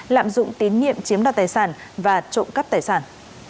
lạm dụng tiến nghiệm chiếm đoạt tài sản và trộm cắp tài sản